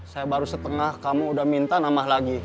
saya baru setengah kamu udah minta nambah lagi